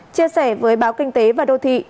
chia sẻ với báo kinh tế và đô thị